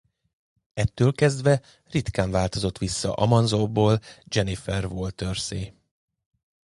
Ettől kezdve ritkán változott vissza Amazonból Jennifer Walters-szé.